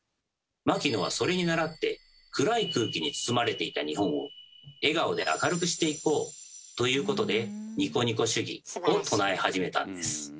牧野はそれに倣って暗い空気に包まれていた日本を笑顔で明るくしていこうということでニコニコ主義を唱え始めたんです。